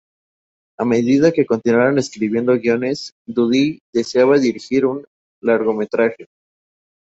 A medida que continuaron escribiendo guiones, Dudi deseaba dirigir un largometraje.